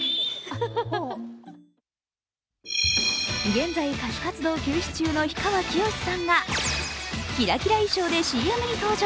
現在、歌手活動休止中の氷川さんがキラキラ衣装でＣＭに登場。